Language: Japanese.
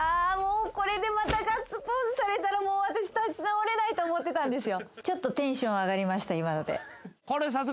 これでまたガッツポーズされたらもう私立ち直れないと思ってたんですよ。